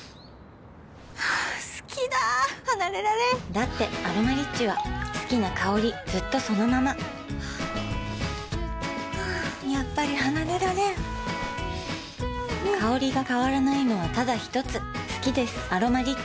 好きだ離れられんだって「アロマリッチ」は好きな香りずっとそのままやっぱり離れられん香りが変わらないのはただひとつ好きです「アロマリッチ」